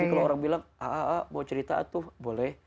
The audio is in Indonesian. jadi kalau orang bilang ah ah ah mau cerita tuh boleh